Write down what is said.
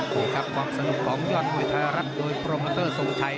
นี่ครับความสนุกของยอดมวยไทยรัฐโดยโปรโมเตอร์ทรงชัย